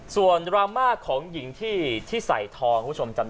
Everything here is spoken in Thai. ส่วนร้าม้าของหญิงที่ใส่ทอง